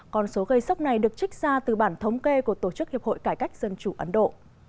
còn số gây sốc này được trích ra từ bản thống kê của tổ chức hiệp hội cải cách dân chủ ấn độ